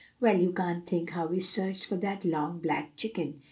Well, you can't think how we searched for that long black chicken.